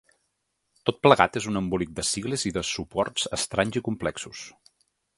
Tot plegat és un embolic de sigles i de suports estranys i complexos.